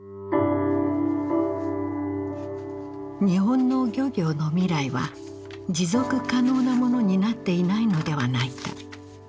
日本の漁業の未来は持続可能なものになっていないのではないか。